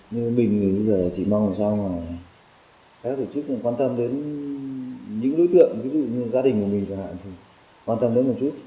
nhưng mình thì bây giờ chỉ mong làm sao mà các tổ chức quan tâm đến những đối tượng ví dụ như gia đình của mình chẳng hạn thì quan tâm đến một chút